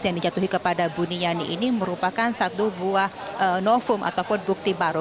yang dijatuhi kepada buniyani ini merupakan satu buah novum ataupun bukti baru